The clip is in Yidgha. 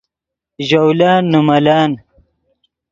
ژولن نے ملن